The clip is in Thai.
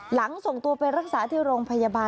หลังส่งตัวไปรักษาที่โรงพยาบาล